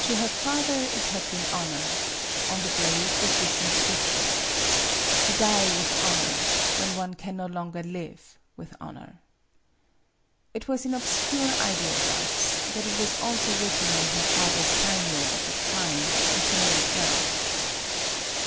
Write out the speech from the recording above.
To her father it had been Honor. On the blade was this inscription : To die with Honor i When one can no longer live with Honor. It was in obscure ideographs ; but it was f also written on her father's kaimyo at the shrine, and she knew it well.